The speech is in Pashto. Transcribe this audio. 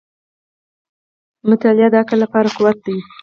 • مطالعه د عقل لپاره قوت دی.